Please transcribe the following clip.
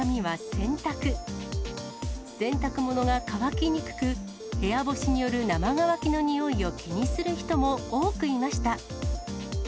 洗濯物が乾きにくく、部屋干しによる生乾きの臭いを気にする人も多くいました。